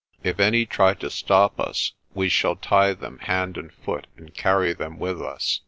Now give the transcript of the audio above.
' "If any try to stop us, we shall tie them hand and foot and carry them with us.